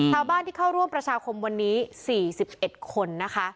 ชาวบ้านที่เข้าร่วมประชาคมวันนี้๔๑คนนะคะ